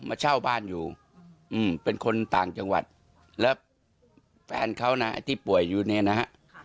มาเช่าบ้านอยู่เป็นคนต่างจังหวัดแล้วแฟนเขานะที่ป่วยอยู่เนี่ยนะฮะ